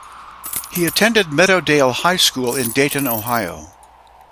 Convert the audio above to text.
He attended Meadowdale High School in Dayton, Ohio.